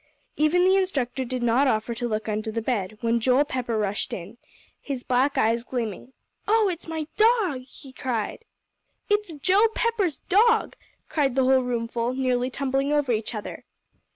Even the instructor did not offer to look under the bed, when Joel Pepper rushed in, his black eyes gleaming. "Oh, it's my dog!" he cried. "It's Joe Pepper's dog!" cried the whole roomful, nearly tumbling over each other.